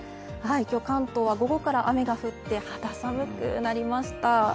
今日、関東は午後から雨が降って肌寒くなりました。